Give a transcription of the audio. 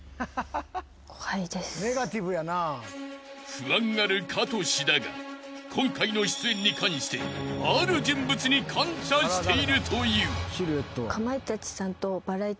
［不安がるかとしだが今回の出演に関してある人物に感謝しているという］